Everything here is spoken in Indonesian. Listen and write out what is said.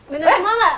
bener semua gak